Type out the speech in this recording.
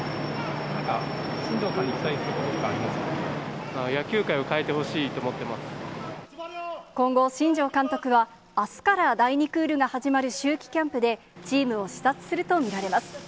新庄さんに期待することって野球界を変えてほしいと思っ今後、新庄監督は、あすから第２クールが始まる秋季キャンプで、チームを視察すると見られます。